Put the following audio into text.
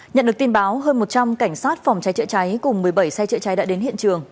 nhận được tin báo hơn một trăm linh cảnh sát phòng cháy chữa cháy cùng một mươi bảy xe chữa cháy đã đến hiện trường